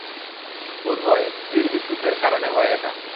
বোধহয় স্থির বিদ্যুতের কারণে হয় এটা।